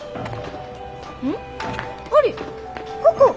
ここ！